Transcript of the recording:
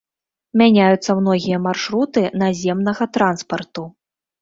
Мяняюцца многія маршруты наземнага транспарту.